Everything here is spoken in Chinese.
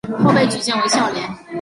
后被举荐为孝廉。